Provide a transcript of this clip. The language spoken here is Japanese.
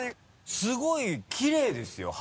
すごいきれいですよ肌。